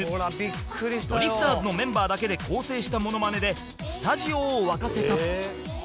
ドリフターズのメンバーだけで構成したモノマネでスタジオを沸かせた